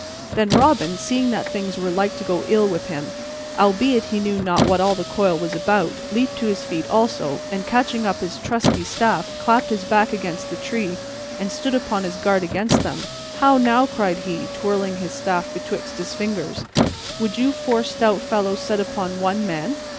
Then Robin, seeing that things were like to go ill with him, albeit he knew not what all the coil was about, leaped to his feet also and, catching up his trusty staff, clapped his back against the tree and stood upon his guard against them. "How, now!" cried he, twirling his staff betwixt his fingers, "would you four stout fellows set upon one man?